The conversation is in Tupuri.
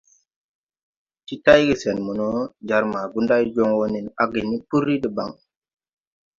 Ti tayge sen mo no, jar ma Goundaye joŋ wo nen áge ni puri debaŋ.